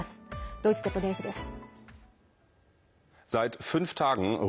ドイツＺＤＦです。